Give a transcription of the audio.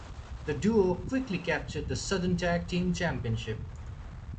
The duo quickly captured the Southern Tag Team Championship.